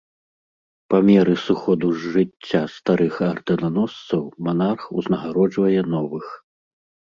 Па меры сыходу з жыцця старых ардэнаносцаў манарх узнагароджвае новых.